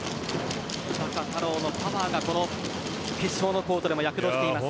井坂太郎のパワーが決勝のコートでも躍動しています。